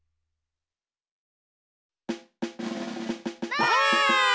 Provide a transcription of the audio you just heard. ばあっ！